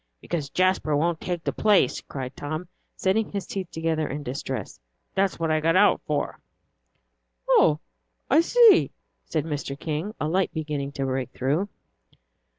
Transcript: "Because Jasper won't take the place," cried Tom, setting his teeth together in distress. "That's what I got out for." "Oh, I see," said Mr. King, a light beginning to break through.